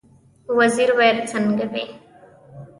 وزیر باید څنګه وي؟